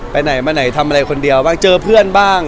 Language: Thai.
ไปไหนมาไหนทำอะไรคนเดียวบ้างเจอเพื่อนบ้าง